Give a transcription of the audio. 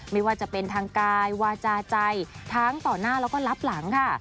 ไม่ว่าจะเป็นทางกายวาจาใจทั้งต่อหน้าแล้วก็รับหลังค่ะ